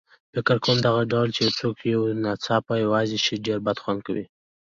فکر کوم دغه ډول چې یو څوک یو ناڅاپه یوازې شي ډېر بدخوند کوي.